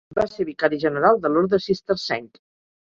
Va ser Vicari General de l'orde cistercenc.